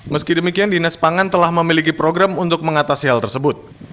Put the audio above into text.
meski demikian dinas pangan telah memiliki program untuk mengatasi hal tersebut